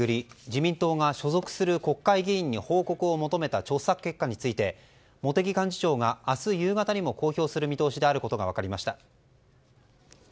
自民党が所属する国会議員に報告を求めた調査結果について茂木幹事長が明日夕方にも公表する見通しであることが分かりました。